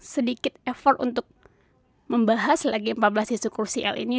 sedikit effort untuk membahas lagi empat belas isu krusial ini